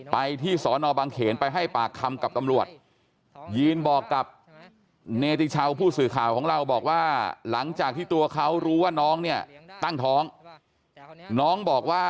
ไปที่สอนอบังเขนไปให้ปากคำกับตำรวจยืนบอกกับเนติชาวผู้สื่อข่าวของเราบอกว่าหลังจากที่ตัวเขารู้ว่าน้องเนี่ยตั้งท้องน้องบอกว่า